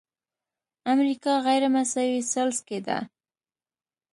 امریکا غیرمساوي ثلث کې ده.